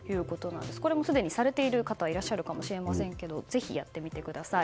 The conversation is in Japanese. これもすでにされている方いらっしゃるかもしれませんがぜひ、やってみてください。